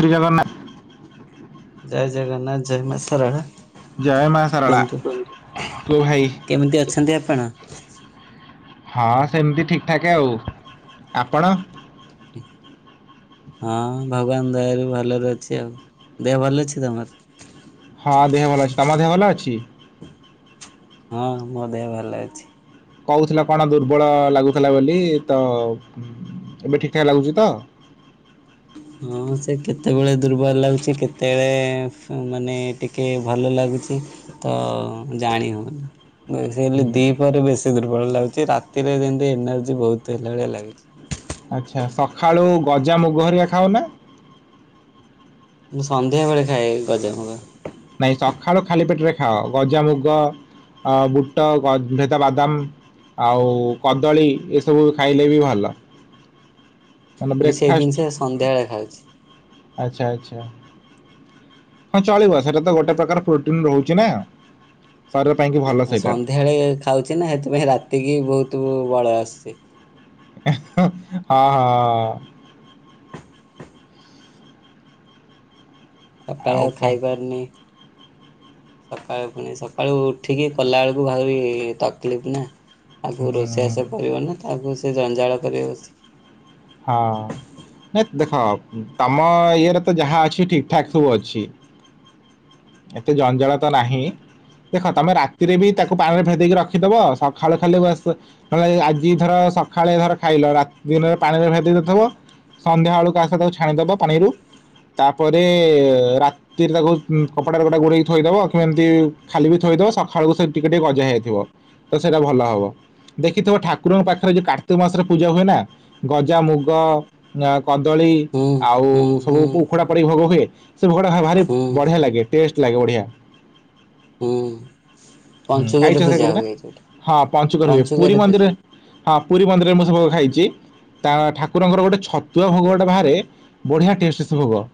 ଶ୍ରୀଜଗନ୍ନାଥ। ଜୟ ଜଗନ୍ନାଥ, ଜୟ ମା ଶାରଳା। ଜୟ ମା ସରଳା। କୁହ ଭାଇ? କେମିତି ଅଛନ୍ତି ଆପଣ? ହଁ ସେମିତି ଠିକ୍ ଠାକ୍ ଆଉ। ଆପଣ? ହଁ ଭଗବାନ ଦୟାରୁ ଭଲରେ ଅଛି ଆଉ। ଦେହ ଭଲ ଅଛି ତମର? ହଁ ଦେହ ଭଲ ଅଛି। ତମ ଦେହ ଭଲ ଅଛି? ହଁ ମୋ ଦେହ ଭଲ ଅଛି। କହୁଥିଲ କଣ ଦୁର୍ବଳ ଲାଗୁଥିଲା ବୋଲି। ତ ଏବେ ଠିକ୍ ଠାକ୍ ଲାଗୁଛି ତ? ହଁ ସେ କେତେବେଳେ ଦୁର୍ବଳ ଲାଗୁଛି, କେତେ ଏଳେ ମାନେ ଟିକେ ଭଲ ଲାଗୁଛି। ତ ଜାଣି ହଉନି। ବେଶୀ କାଲି ହୁଁ, ଦିପହରେ ବେଶୀ ଦୁର୍ବଳ ଲାଗୁଚି। ରାତିରେ ଯେମିତି ଏନର୍ଜି ବୋହୁତ୍ ହେଲା ଭଳିଆ ଲାଗୁଛି। ଆଚ୍ଛା। ସଖାଳୁ ଗଜାମୁଗ ହରିକା ଖାଉନା? ମୁଁ ସନ୍ଧ୍ୟା ବେଳେ ଖାଏ ଗଜାମୁଗ। ନାଇଁ ସଖାଳୁ ଖାଲି ପେଟରେ ଖାଅ ଗଜାମୁଗ ଅ ବୁଟ ଗ ଭେଦା ବାଦାମ। ଆଉ କଦଳୀ ଏସବୁ ଖାଇଲେ ବି ଭଲ। ମାନେ ମୁଁ ବ୍ରେକ୍ ସେଇ ଜିନିଷ ଫାଷ୍ଟ ସନ୍ଧ୍ୟାବେଳେ ଖାଉଛି। ଆଛା ଆଛା ହଁ ଚଳିବ ସେଇଟା ତ ଗୋଟେ ପ୍ରକାର ପ୍ରୋଟିନ୍ ରହୁଚି ନା ଶରୀର ପାଇଁକି ଭଲ ସେଇଟା। ହେଳେଇ ଏକ୍ ଖାଉଛି ନା ହେଥିପାଇଁ ରାତିକି ବହୁତ ବଳ ଆସୁଛି। [unintelligible] ହଁ ହଁ ହଁ। ସକାଳେ ଆଉ ଖାଇପାରୁନି। ସକାଳୁ ପୁଣି ସକାଳୁ ଉଠିକି କଲାଏଳକୁ ଭାରି ତକଲିଫ ନା। ତାକୁ ରୋଷେଇ ହୁଁ ଆସେ କରିବନା ତାକୁ ସେ ଜଞ୍ଜାଳ କରିବ ବସିକି। ହଁ। ହେତ୍ ହଁତମ ଇଏରେ ତ ଯାହା ଅଛି ଠିକ୍ ଠାକ୍ ସବୁ ଅଛି। ଏତେ ଜଞ୍ଜାଳ ତ ନାହିଁ। ଦେଖ ତମେ ରାତିରେ ବି ତାକୁ ପାଣିରେ ଭେଦେଇକି ରଖିଦବ ସଖାଳୁ ଖାଲି ବାସ ନହେଲେ ଆଜି ଧର ସଖାଳେ ଧର ଖାଇଲ ରାତି ଦିନରେ ପାଣିରେ ଭେଦେଇ ଦେଇଥବ ସନ୍ଧ୍ୟା ବେଳକୁ ଆସ ତାକୁ ଛାଣିଦେବ ପାଣିରୁ। ତାପରେ ରା ତିରେ ତାକୁ କପଡାରେ ଗୋଟେ ଗୁରେଇକି ଥୋଇଦବ କି ଏମିତି ଖାଲି ବି ଥୋଇଦବ ସଖାଳକୁ ସେ ଟିକେ ଟିକେ ଗଜା ହେଇଯାଇଥିବା। ତ ସେଇଟା ଭଲ ହବ ଦେଖିଥିବ ଠାକୁରଙ୍କ ପାଖରେ ଯୋଉ କାର୍ତ୍ତିକ ମାସରେ ପୂଜା ହୁଏ ନା। ଗଜାମୁଗ ୟା କଦଳୀ ହୁଁ ଆଉ ହୁଁ ହୁଁ ସବୁୁ ଉପ ଉଖୁଡା ପଡ଼ି ଭୋଗ ହୁଏ ସେ ଭୋଗଟା ଭାରି ହୁଁ ବଢିଆ ଲାଗେ ଟେଷ୍ଟ ଲାଗେ ବଢ଼ିଆ। ହୁଁ। ହୁଁ ପଞ୍ଚୁକରେ ଖାଇଚ ସେ ପୂଜା ଭୋଗ ଟ ହୁଏ ଯୋଉଟା। ହଁ ପଞ୍ଚୁକର ହୁଏ ପଞ୍ଚୁକରେ ପୁରୀ ପୂଜା ମନ୍ଦିରରେ ହଁ ପୁରୀ ମନ୍ଦିରରେ ମୁଁ ସେ ଭୋଗ ଖାଇଚି। ତା ଠାକୁରଙ୍କର ଗୋଟେ ଛତୁଆ ଭୋଗ ଗୋଟେ ବାହାରେ ବଢ଼ିଆ ଟେଷ୍ଟ ସେ ଭୋଗ।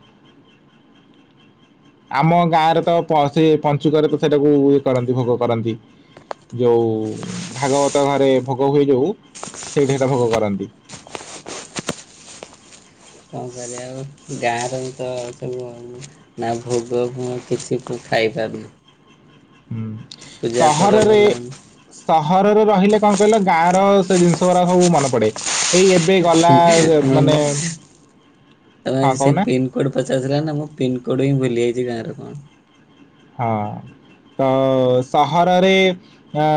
[unintelligible] ଆମ ଗାଁରେ ତ ପ ସେ ପଞ୍ଚୁକରେ ତ ସେଇଟାକୁ ଇଏ କରନ୍ତି ଭୋଗ କରନ୍ତି। ଯୋଉ ଭାଗବତ ଘରେ ଭୋଗ ହୁଏ ଯଉ ସେଇଠାତ ଭୋଗ କରନ୍ତି। କଣ କରିବା ଆଉ ଗାଁର ତ ସବୁ ନା ଭୋଗ ଫୋଗ କିଛି ଖାଇପାରୁନି। ହୁଁ କର ସହରରେ। ଭଲ ସହରରେ ରହିଲେ କଣ କହିଲ ଗାଁ ର ସେ ଜିନିଷ ଗୁରା ସବୁ ମନେ ପଡେ। ଏଇ ଏବେ ଗଲା ମଲା ମାନେ ହଁ କହୁନା। କୋଡ ପଚାରୁଥିଲା ନା ମୁଁ ପିନ୍ କୋଡ୍ ହିଁ ଭୁଲିଯାଇଛି ଗାଁର କଣ। ହଁ, ତ ସହର ରେ ଅ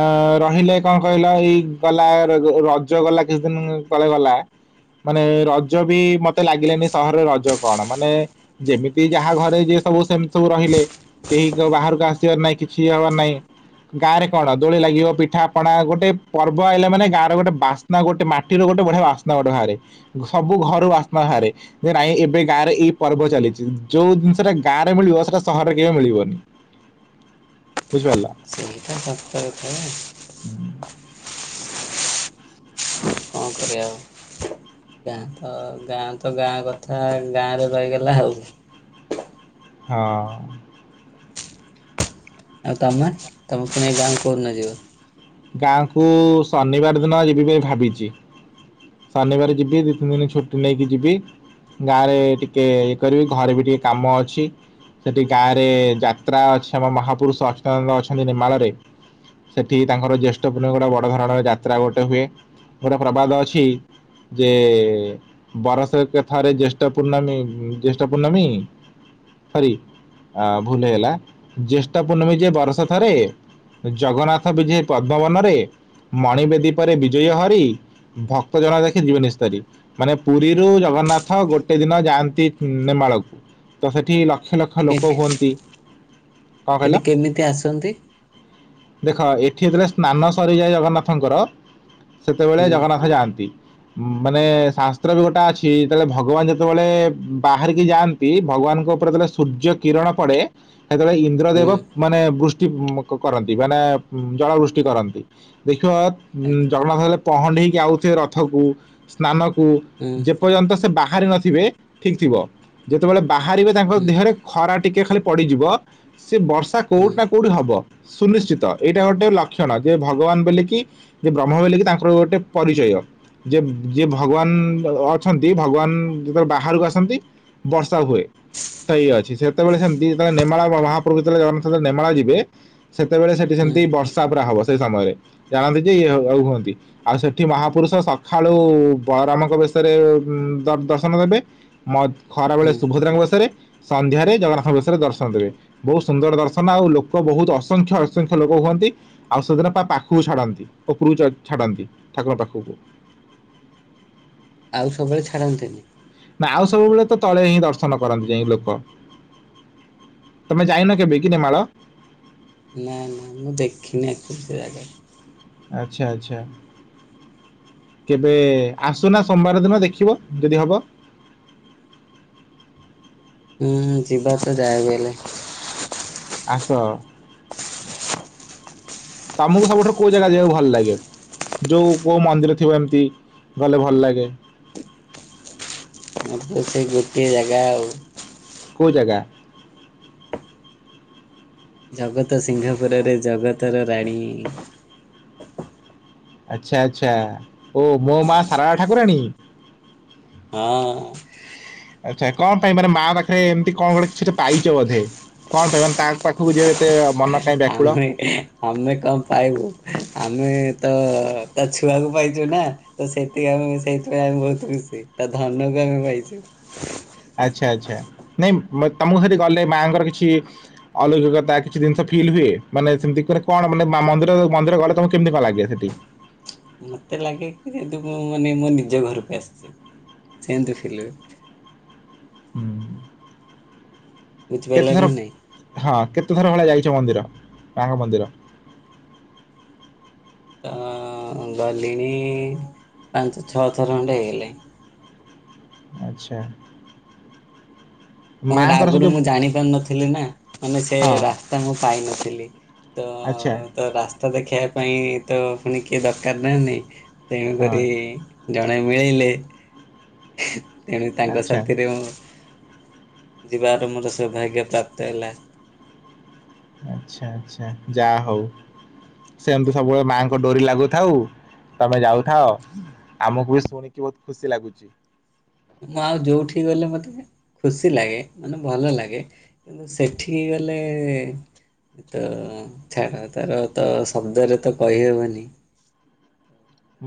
ରହିଲେ କଣ କହିଲ ଏଇ ଗଲା ରଜ ଗଲା କିଛି ଦିନ ତଳେ ଗଲା। ମାନେ ରଜ ବି ମତେ ଲାଗିଲାନି ସହରରେ ରଜ କଣ ମାନେ ଯେମିତି ଯାହା ଘରେ ଯିଏ ସବୁ ସେମିତି ସବୁ ରହିଲେ। କେହି ବାହାରକୁ ଆସିବାର ନାହିଁ କିଛି ହବାର ନାହିଁ। ଗାଁ ରେ କଣ ଦୋଳି ଲାଗିବ ପିଠା ପଣା ଗୋଟେ ପର୍ବ ଆଇଲେ ମାନେ ଗାଁର ଗୋଟେ ବାସ୍ତ। ନା ଗୋଟେ ମାଟିର ଗୋଟେ ବଢିଆ ବାସ୍ନା ଗୋଟେ ବାହାରେ ସବୁ ଘରୁ ବାସ୍ନା ବାହାରେ। ଯେ ନାଇଁ ଏବେ ଗାଁ ରେ ଏଇ ପର୍ବ ଚାଲିଚି, ଯୋଉ ଜିନିଷଟା ଗାଁରେ ମିଳିବ ସେଟା ସହରରେ କେବେ ମିଳିବନି। ବୁଝିପାରିଲ। ହଁ ସତ କଥା। ସରି ଆଉ ଗାଁ, ତ ଗାଁ, ତ ଗାଁ, କଥା ଗାଁ ରେ ରହିଗଲା ଆଉ ହଁ। ଆଉ ତମେ ତମେ ପୁଣି ଏ ଗାଁ କୁ ଯୋଉ ଦିନ ଯିବ। ଗାଁ କୁ ଶନିବାର ଦିନ ଯିବି ବୋଲି ଭାବିଛି। ଶାନିବାର ଯିବି ଦି, ତିନି ଦିନ ଛୁଟି ନେଇକି ଯିବି। ଗାଁ ରେ ଟିକେ ଇଏ କରିବି ଘରେ ବି ଟିକେ କାମ ଅଛି। ସେଠି ଗାଁ ରେ ଯାତ୍ରା ଅଛି ଆମ ମହାପୁରୁଷ ଅଚୁତା ନନ୍ଦ ଅଛନ୍ତି ନେମାଳ ରେ। ସେଠି ତାଙ୍କର ଜ୍ୟେଷ୍ଠ [unintelligible] ଗୋଟେ ବଡ ଧରଣର ଯାତ୍ରା ଗୋଟେ ହୁଏ ଗୋଟେ ପ୍ରବାଦ ଅଛି। ଯେ ବରଶକେ ଥରେ ଜ୍ୟେଷ୍ଠ ପୂର୍ଣ୍ଣମୀ ଜ୍ୟେଷ୍ଠ ପୂର୍ଣ୍ଣମୀ ସରୀ। ଆ ଭୁଲ ହେଇଗଲା ଜ୍ୟେଷ୍ଠ ପୂର୍ଣ୍ଣମୀ ଯେ ବରସେ ଥରେ ଜଗନ୍ନା ବିଜେ ପଦ୍ମବନରେ ମଣିି ବେଦୀ ପରେ ବିଜୟ ହରି। ଭକ୍ତ ଜଳା ଦେଖେ ଜୀବେ ନିସ୍ତରୀ। ମାନେ ପୁରୀରୁ ଜଗନ୍ନାଥ ଗୋଟେ ଦିନ ଯାଆନ୍ତି ନେମାଳକୁ ତ ସେଠି ଲ ଲକ୍ଷ ଲକ୍ଷ କେକ୍ ଲୋକ ହୁଅନ୍ତି। କଣ କହିଲ ସେଠି କେମିତି ଆସନ୍ତି? ଦେଖ ଏଠି ଯେତେବେଳେ ସ୍ନାନ ସରିଯାଏ ଜଗନ୍ନାଥଙ୍କର ସେତେବେଳେ ହୁଁ ଜଗନ୍ନାଥ ଯାଆନ୍ତି। ମାନେ ଶାସ୍ତ୍ର ବି ଗୋଟା ଅଛି ଯେତେବେଳେ ଭଗବାନ ଯେତେବେଳେ ବାହାରିକି ଯାଆନ୍। ଭଗବାନଙ୍କ ଉପରେ ଯେତବେଳେ ସୂର୍ଯ୍ୟ କିରଣ ପଡେ ସେତେବେଳେ ଇନ୍ ଇନ୍ଦ୍ର ହୁଁ ଦେବ ମାନେ ବୃଷ୍ଟି କରନ୍ତି ମାନେ ଜଳ ବୃଷ୍ଟି କରନ୍ତି ଦେଖିବ। ଆଚ୍ଛା ଜଗନ୍ନାଥ ଯେତେବେଳେ ପହଣ୍ଡି ହେଇକି ଆଉଥିବେ ରଥକୁ ସ୍ନାନକୁ ଯେ ହୁଁ ଯେ ପର୍ଯ୍ୟନ୍ତ ସେ ବାହାରି ନଥିବେ ଠିକ୍ ଥିବ। ଯେତେବେଳେ ବାହାରିବେ ତାଙ୍କ ହୁଁ ଦେହରେ ଖରା ଟିକେ ଖାଲି ପଡିଯିବ। ସେ ବର୍ଷା ହୁଁ କୋଉଠି ନା କୋଉଠି ହବ ସୁନିଶ୍ଚିତ। ଏଇଟା ଗୋଟେ ଲକ୍ଷଣ ଯେ ଭଗବାନ ବୋଲେ କି ଯେ ବ୍ରହ୍ମ ବୋଲେ କିି ତାଙ୍କର ଗୋଟେ ପରିଚୟ। ଯେ ଯିଏ ଭଗବାନ ଅଛନ୍ତି ଭଗବାନ ଯେତେବେଳେ ବାହାରକୁ ଆସନ୍ତି। ବର୍ଷା ହୁଏ। ତ ଇଏ ଅଛି ସେତେବେଳେ ସେମିତି ଯେତେବେଳେ ନେମଳା ମହାପ୍ରଭୁ ଯେତେବେଳେ ଜଗନାଥ ନେମଳା ଯିବେ ସେତେବେଳେ ସେ ସେଠି ହୁଁ ସେମିତି ବର୍ଷା ପୁରା ହବ ସେଇ ସମୟରେ ଜାଣନ୍ତି ଯେ ଇଏ ଆଉ ହୁଅନ୍ତି। ଆଉ ସେଠି ମହାପୁରୁଷ ସଖାଳୁ ବଳରାମଙ୍କ ବେଶରେ ଦର୍ଶନ ଦେବେ। ମ ଖରା ବେଳେ ହୁଁ ସୁଭଦ୍ରାଙ୍କ ବେଶରେ। ସନ୍ଧ୍ୟାରେ ଜଗନ୍ନାଥ ବେସରେ ଦର୍ଶନ ଦେବେ। ବହୁତ ସୁନ୍ଦର ଦର୍ଶନ ଆଉ ଲୋକ ବହୁତ ଅସଂଖ୍ୟ ଆସଂଖ୍ୟ ଲୋକ ହୁଅନ୍ତି, ଆଉ ସେଦିନ ପା ପାଖକୁ ଛାଡ଼ନ୍ତି ଓପୁରୁ କୁ ଛାଡ଼ନ୍ତି ଠାକୁର ଙ୍କ ପାଖକୁ। ଆଉ ସବୁବେଳେ ଛାଡନ୍ତି ନି। ନା ଆଉ ସବୁବେଳେ ତ ତଳେ ହିଁ ଦର୍ଶନ କରନ୍ତି ଯାଇକି ଲୋକ। ତମେ ଯାଇନ କେବେ କିି ନେମାଳ? ନାଁ, ନାଁ, ମୁଁ ଦେଖିନି ଆକଚୁଆଲି ସେ ଜାଗା। ଆଚ୍ଛା, ଆଚ୍ଛା। କେବେ ଆସୁନା ସୋମବାର ଦିନ ଦେଖିବ ଯଦି ହବ ହୁଁ ଯିବା ତ ଯାଏ ବି ହେଲେ। ଆସ। ତମକୁ ସବୁଠାରୁ କୋଉ ଜାଗା ଯିବାକୁ ଭଲ ଲାଗେ? ଯୋଉ ପୁଅ ମନ୍ଦିର ଥିବ ଏମିତି ଗଲେ ଭଲ ଲାଗେ। ସେଇ ଗୋଟିଏ ଜାଗା ଆଉ। କୋଉ ଜାଗା? ଜଗତ ସିଂହପୁରରେ ଜଗତର ରାଣୀ। ଆଚ୍ଛା ଆଚ୍ଛା ଓ ମୋ ମା ସାରାଳା ଠାକୁରାଣୀ। ହଁ। ଆଚ୍ଛା କଣ ପାଇଁ ମାନେ ମା ପାଖରେ ଏମିତି କଣ ଗୋଟେ କିଛି ପାଇଛ ବଧେ। କଣ ପାଇଁ ତାପାଖକୁ ଯିବା ଏତେ ମନ? କାଇଁ ବ୍ୟାକୁଳ ଆମେ ଆମେ କଣ ପାଇବୁ ଆମେ ତ ତା ଛୁଆକୁ ପାଇଛୁ ନା। ତ ସେଥିକି ଆମେ ସେଇଥିପାଇଁ ଆମେ ବହୁତ ଖୁସି ତା ଧନକୁ ଆମେ ପାଇଛୁ। ଆଚ୍ଛା ଆଚ୍ଛା ନାଇଁ ତମକୁ ସେଠି ଗଲେ ମାଆଙ୍କର କିଛି ଅଲୌକିକତା କିଛି ଜିନିଷ ଫିଲ୍ ହୁଏ ମାନେ ସେମିତି କଣ ମ ମନ୍ଦିର ମନ୍ଦିର ଗଲେ ତମକୁ କେମିତି କଣ ଲାଗେ ସେଠି? ମୋତେ ଲାଗେ କି ଏୁ ମୁଁ ମାନେ ମୋ ନିଜ ଘରକୁ ଆସିଛି ସେଏନ୍ତି ଫିଲ୍ ହୁଏ ହୁଁ ବୁଝିପାରିଲ କେତେଥର ନା ନାଇଁ ହଁ କେତେଥର ଭଳିଆ ଯାଇଛ ମନ୍ଦିର ମାଙ୍କ ମନ୍ଦିର? ତ ଗଲିଣି ପାଞ୍ଚ ଛଅ ଥର ଖଣ୍ଡେ ହେଇଗଲେଇ। ଆଚ୍ଛା। କଣ ମାଆଙ୍କର ସେ ଆଗରୁ ଯୋଉ ମୁଁ ଜାଣି ପାରୁନଥିଲି ନା ମାନେ ସେ ହଁ ରାସ୍ତା ମୁଁ ପାଇନଥିଲି। ତ ଆଚ୍ଛା ତ ରାସ୍ତା ଦେଖେଇବା ପାଇଁ ତ ପୁଣି କିଏ ଦରକାର ନାହି ହଁ ତେଣୁକରି ଜଣେ ମିଳେଇଲେ ତେଣୁ ତାଙ୍କ ଆଚ୍ଛା ସାଥିରେ ମୁଁ ଯିବାର ମୋର ସୌଭାଗ୍ୟ ପ୍ରାପ୍ତ ହେଲା। ଆଚ୍ଛା ଆଛା ଯାହା ହଉ। ସେମିତି ସବୁବେଳେ ମାଆଙ୍କ ଡୋରି ଲାଗୁଥାଉ ତମେ ଯାଉଥାଅ। ଆମକୁ ବି ଶୁଣିକି ବହୁତ ଖୁସି ଲାଗୁଛି। ମୁଁ ଆଉ ଯୋଉଠି ଗଲେ ମତେ ଖୁସି ଲାଗେ ମାନେ ଭଲ ହୁଁ। ଲାଗେ କିନ୍ତୁ ସେ ଠିକ ଗଲେ। ଏ ତ ଛାଡ ତାର ତ ଶବ୍ଦରେ ତ କହିହବନି।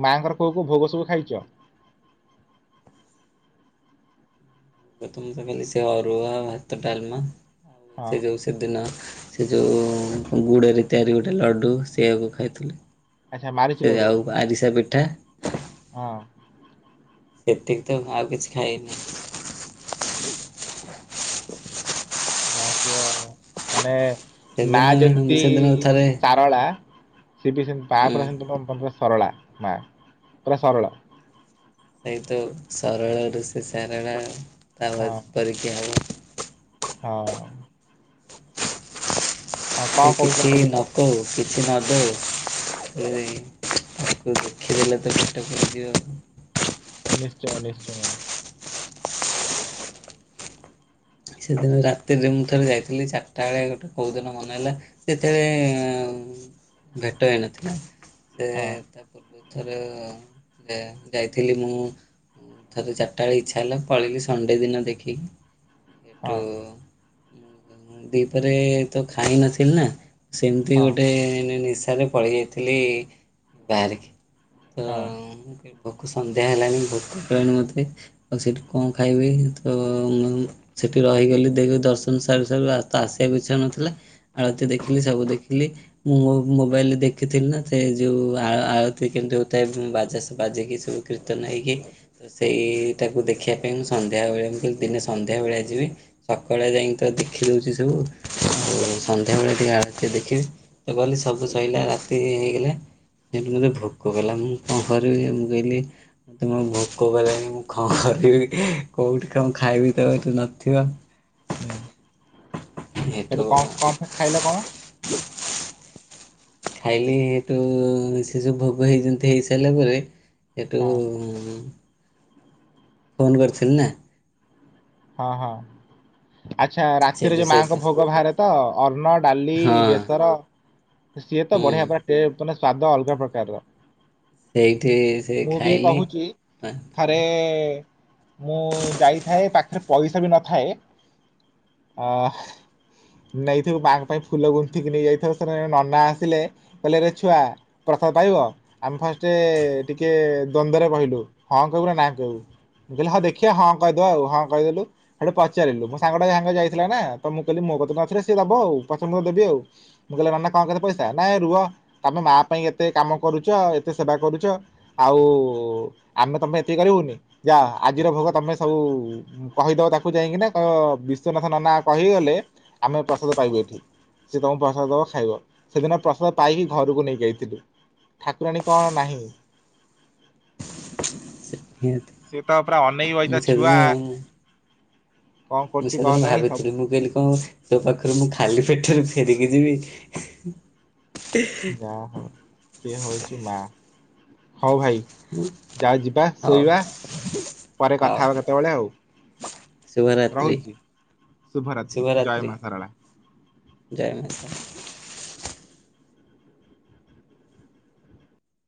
ମାଆଙ୍କର କୋଉ କୋଉ ଭୋଗ ସବୁ ଖାଇଛ? ପ୍ରଥମ ତ ଖାଲି ସେ ଅରୁଆ ଭାତ ଡାଲମା ହଁ ସେ ଯୋଉ ସେଦିନ ସେ ଯୋଉ ଗୁଡରେ ତିଆରି ଗୋଟେ ଲଡୁ ସେଆକୁ ଖାଇଥିଲି। ଆଚ୍ଛା ସେ ମାରିିଚୁ ଲଡୁ ଆଉ ଆରିସା ପିଠା ହଁ। ସେତିକି ତ ଆଉ କିଛି ଖାଇନି। ଯାହାକୁୁହ ମାନେ ନା ସେଦିନ ଯେମିତି ସେଦିନ ଥରେ ସାରଳା ସିଏ ବି ସେତି ମା ହୁଁ ପୁରା ସେମତି ପୁରା ସରଳା ମା ପୁରା ସରଳ। ସେଇତ ସରଳରୁ ସେ ସାରଳା ତା ହଁ ପରିକି କିଏ ହବ। ହଁ। ହଁ କଣ ସେ କହୁଥିଲ କିଛି ସେଦିନ ନ କହୁ କିଛି ନଦଉ ଥରେ ଦେଖିଦେଲେ ତ ପେଟ ପୁରିଯିବ ଆଉ। ନିଶ୍ଚୟ ନିଶ୍ଚୟ। ସେଦିନ ରାତିରେ ମୁଁ ଥରେ ଯାଇଥିଲି ଚାରିଟା ବେଳେ ଗୋଟେ କୋଉ ଦିନ ମନହେଲା। ସେତେବେଳେ ଭେଟ ହେଇନଥିଲା ସେ ହଁ ଥରେ ଯାଇଥିଲି ମୁଁ ଥର ଚାରିଟା ବେଳେ ଇଚ୍ଛା ହେଲା ପଳେଇଲି ସଣ୍ଡେ ଦିନ ଦେଖିକି। ସେଠୁ ହଁ ଦିପରେ ତ ଖାଇ ନଥିଲି ନା ସେମିତି ହଁ ଗୋଟେ ନିଶାରେ ପଳେଇ ଯାଇଥିଲି ବାହାରିକି। ହଁ ତ ଭୋକ ସନ୍ଧ୍ୟା ହେଲାଣି ଭୋକ ହେଳାଣି ମୋତେ ଆଉ ସେଠି କଣ ଖାଇବି ତ ମୁଁ ସେଠି ରହିଗଲି ଦେଖି ଦର୍ଶନ ସାରି ସାରୁ ଆ ଆସିବାକୁ ଇଚ୍ଛା ହଉନଥିଲା। ଆଳତି ହୁଁ ଦେଖିଲି ସବୁ ଦେଖିଲି। ମୁଁ ମୁଁ ମୋବାଇଲରେ ଦେଖିଥିଲି ନା ସେ ଯୋଉ ଆ ଆଳତି କେମିତି ହଉଥାଏ ବାଜାସ ବାଜିକି ସବ କୀର୍ତ୍ତନ ନେଇକି ତ ସେଇଟାକୁ ଦେଖିବା ପାଇଁ ମୁଁ ସନ୍ଧ୍ୟାବେଳେ ମୁ ଦିନେ ସନ୍ଧ୍ୟାବେଳେ ଯିବି ସକାଳେ ଯାଇ ତ ଦେଖି ଦଉଛି ସବୁ ହୁଁ ଆଉ ସନ୍ଧ୍ୟାବେଳେ ଆ ଟିକେ ଦେଖିବି ତ ସବୁ ସଇଲା ରାତି ହେଇଗଲା। ସେଟୁ ମୋତେ ଭୋକ କଲା ମୁଁ କଣ କରିବି ମୁଁ କହିଲି ମୁଁ ଭୋକ କଲେଣି ମୁଁ କଣ କରିବି କୋଉଠି କଣ ଖାଇବି ତ ଏଠୁ ନଥିବ। ହୁଁ ସେଠୁ କମ ଏଠୁ କମ ଖାଇଲ କଣ? ଖାଇଲି ସେଠୁ ସେ ସବୁ ଭୋଗ ହେଇ ହେଇ ସାରିଲା ପରେ। ଏଟୁ ହଁ ଫୋନ୍ କରିଥିଲି ନା। ହଁ ହଁ। ଆଚ୍ଛା ରାତିରେ ସେଠୁ ଯୋଉ ସେ ମାଆଙ୍କ ହଁ ଭୋଗ ବାହାରେ ତ ଅନ୍ନ, ଡାଲି ବେସର ସିଏ ତ ହୁଁ ବଢିଆ ପା ଟେ ମାନେ ସ୍ଵାଦ ଅଲଗା ପ୍ରକାରର। ସେଇଠି ସେ ଖାଇଲି ଆଡ଼େ ମୁଁ ଯାଇଥାଏ ପାଖରେ ପଇସା ବି ନଥାଏ ଅ ହ। ନେଇଥିବୁ ବାଙ୍କ ପାଇଁ ଫୁଲ ଗୁନ୍ଥିକି ନେଇ ଯାଇଥିବ ସେ ନନା ଆସିଲେ କହିଲେ ରେ ଛୁଆ ପ୍ରସାଦ ପାଇବ ଆମେ ଫାଷ୍ଟ ଟିକେ ଦ୍ଵନ୍ଦରେ କହିଲୁ ହଁ କହିବୁ ନା ନା କହିବୁ। ହଁ ଦେଖଆ ହଁ କହିଦେ ଆଉ ହଁ କହିଦେଲୁ। ସେଠୁ ପଚାରିଲୁ ମୋ ସାଙ୍ଗଟା ସାଙ୍ଗେ ଯାଇଥିଲା ନା ତ ମୁଁ କହିଲି ମୋ କତ ନଥିଲିଏ ଦବ ଆଉ ପଛରେ ଦେବି ଆଉ। ମୁଁ କହିଲ ମାନ ନା କଣ କେତେ ପଇସା ନାଇଁ ରୁହ ତମେ ମା ପାଇଁ ଏତେ କାମ କରୁଛ ଏତେ ସେବା କରୁଛ। ଆଉ ଆମେ ତମେ ଏତିକି କରିବୁନି ଯା ଆଜିର ଭୋଗ ତମେ ସବୁ କହିଦବ ତାକୁ ଯାଇକିନା କହିବ ବିଶ୍ୱନାଥ ନନା କହିଗଲେ ଆମେ ପ୍ରସାଦ ପାଇବୁ ଏଠି। ସେତମ ପ୍ରସାଦ ଦବ ଖାଇବ। ସେଦିନ ପ୍ରସାଦ ପାଇକି ଘରକୁ ନେଇକି ଯାଇଥିଲୁ। ଠାକୁରାଣୀ କଣ ନାହିଁ। ସେ ତ ପୁରା ଅନେଇକ ମୁଁ ବଇତ ଛୁଆ ସେଦିନ କଣ ମୁଁ କରୁଛି କଣ ସେଦିନଳେ ନାହିଁ ସବୁ ଭାବିଥିଲି ମୁଁ କହିଲି କଣ ତୋ ପାଖରୁ ମୁଁ ଖାଲି ପେଟରୁ ଫେରିକି ଯିବି। ଯା ହଉ ସିଏ ହଉଛି ମା ହଁ ଭାଇ। ଚାଲ ଯିବା ହଉ ଶୋଇବା ପରେ କଥା ହବା କେତେବେଳେ ଆଉ। ଶୁବ ରାତ୍ରି ରହୁଛି ଶୁଭରାତ୍ରି ଶୁବ ଜୟ ରାତ୍ରି। ମା ସାରଳା। ଜୟ ମାତା।